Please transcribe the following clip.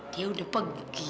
dia udah pergi